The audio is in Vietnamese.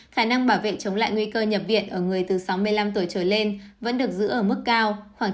khả năng bảo vệ chống lại nguy cơ nhập viện ở người từ sáu mươi năm tuổi trở lên vẫn được giữ ở mức cao khoảng